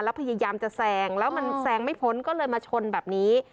แล้วพยายามจะแซงแล้วมันแซงไม่พ้นก็เลยมาชนแบบนี้